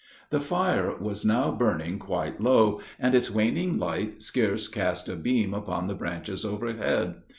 The fire was now burning quite low, and its waning light scarce cast a beam upon the branches overhead.